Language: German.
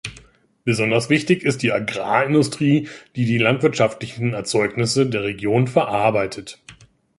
Besonders wichtig ist die Agrarindustrie, die die landwirtschaftlichen Erzeugnisse der Region verarbeitet.